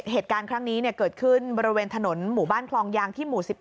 เหตุการณ์ครั้งนี้เกิดขึ้นบริเวณถนนหมู่บ้านคลองยางที่หมู่๑๑